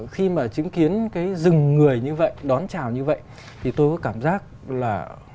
khi mà chứng kiến cái rừng người như vậy đón chào như vậy thì tôi có cảm giác là